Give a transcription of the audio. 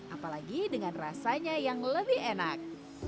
apalagi dengan rasanya yang lebih enak